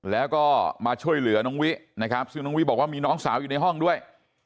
แล้วก็มาช่วยเหลือน้องวินะครับซึ่งน้องวิบอกว่ามีน้องสาวอยู่ในห้องด้วย